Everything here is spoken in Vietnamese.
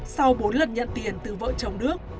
sau bốn lần nhận tiền từ vợ chồng đức